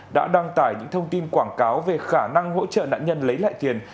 đã đăng tải những thông tin quảng cáo về khả năng hỗ trợ nạn nhân lấy lại tiền